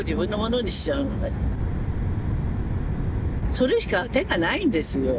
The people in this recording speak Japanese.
それしか手がないんですよ。